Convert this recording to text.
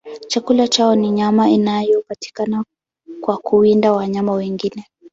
Chakula chao ni nyama inayopatikana kwa kuwinda wanyama wengine.